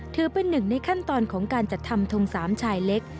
ถือเป็นหนึ่งในขั้นตอนของการจัดทำทงสามชายเล็ก